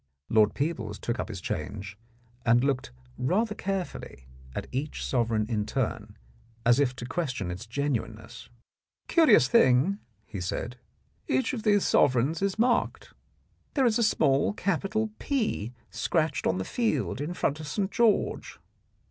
Lord Peebles took up his change and looked rather carefully at each sovereign in turn, as if to question its genuineness. "Curious thing," he said, "each of these sovereigns is marked. There is a small capital ' P ' scratched on the field in front of St. George."